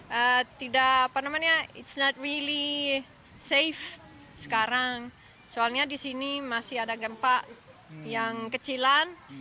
tapi tidak aman sekarang karena di sini masih ada gempa yang kecilan